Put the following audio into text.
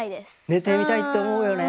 寝てみたいって思うよね。